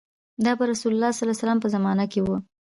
دا په رسول الله په زمانه کې و.